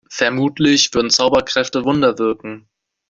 Vermutlich würden Zauberkräfte Wunder wirken.